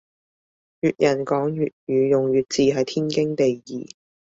粵人講粵語用粵字係天經地義